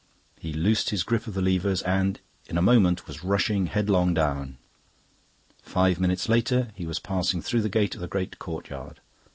He loosed his grip of the levers, and in a moment was rushing headlong down. Five minutes later he was passing through the gate of the great courtyard.